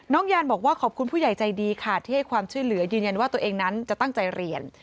ยานบอกว่าขอบคุณผู้ใหญ่ใจดีค่ะที่ให้ความช่วยเหลือยืนยันว่าตัวเองนั้นจะตั้งใจเรียน